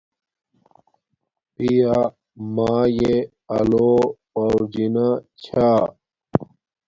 پیامایے آلو پورجنا چھا